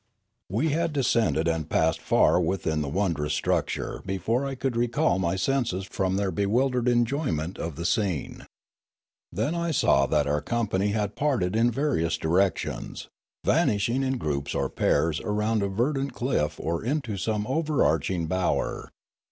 We had descended and passed far within the won drous structure before I could recall my senses from their bewildered enjoyment of the scene. Then I saw that our company had parted in various directions, vanishing in groups or pairs, round a verdant cliff or into some overarching bower.